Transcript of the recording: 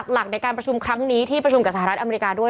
หลักในการประชุมครั้งนี้ที่ประชุมกับสหรัฐอเมริกาด้วย